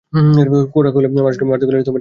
গোরা কহিল, মানুষকে মারতে গেলে সে ঠেকাতে যায় কেন?